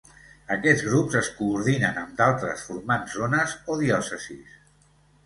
Aquests grups es coordinen amb d’altres formant zones o diòcesis.